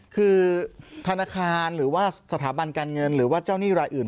คือธนาคารหรือว่าสถาบันการเงินหรือว่าเจ้าหนี้รายอื่น